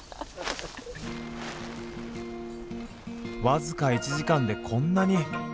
僅か１時間でこんなに。